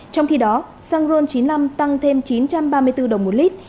trong khi đó xăng ron chín mươi năm tăng thêm chín trăm ba mươi bốn đồng một lít